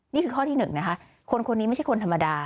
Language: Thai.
นี่คือข้อที่๑นะคะคนคนนี้ไม่ใช่คนธรรมดา